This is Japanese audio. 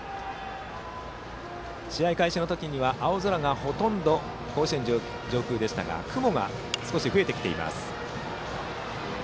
試合開始の時には青空がほとんどそんな甲子園上空でしたが雲が少し増えてきています。